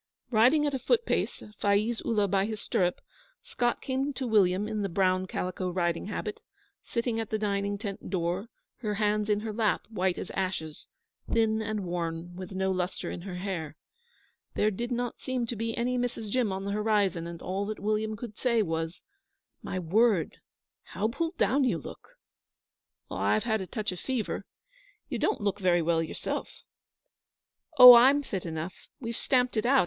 Riding at a foot pace, Faiz Ullah by his stirrup, Scott came to William in the brown calico riding habit, sitting at the dining tent door, her hands in her lap, white as ashes, thin and worn, with no lustre in her hair. There did not seem to be any Mrs. Jim on the horizon, and all that William could say was: 'My word, how pulled down you look!' 'I've had a touch of fever. You don't look very well yourself.' 'Oh, I'm fit enough. We've stamped it out.